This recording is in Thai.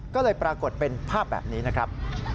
ก็เลยปรากฏเป็นภาพแบบนี้นะครับ